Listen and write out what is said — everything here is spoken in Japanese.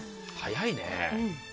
早いね。